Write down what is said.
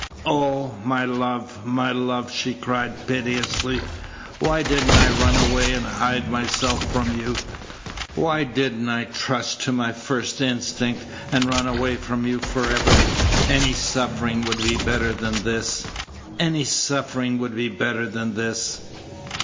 "Oh, my love, my love," she cried, piteously, "why did n't I run away and hide myself from you? why did n't I trust to my first instinct, and run away from you for ever? Any suffering would be better than this any suffering would be better than this!"